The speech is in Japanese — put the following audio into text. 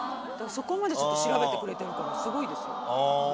そこまで調べてくれてるからすごいです。